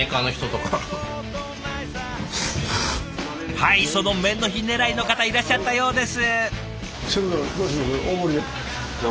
はいその麺の日狙いの方いらっしゃったようです。